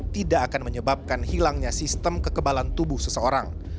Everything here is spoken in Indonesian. tidak akan menyebabkan hilangnya sistem kekebalan tubuh seseorang